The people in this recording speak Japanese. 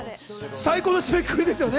最高の締めくくりですよね。